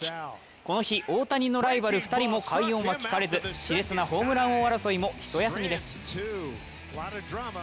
この日、大谷のライバル２人も快音は聞かれず、しれつなホームラン王争いも一休みです。